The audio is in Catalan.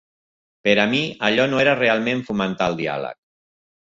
Per a mi, allò no era realment fomentar el diàleg.